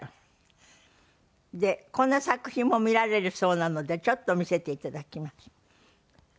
でこんな作品も見られるそうなのでちょっと見せて頂きます。